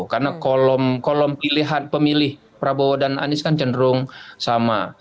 karena kolom pilihan pemilih prabowo dan anies kan cenderung sama